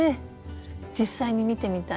実際に見てみたい。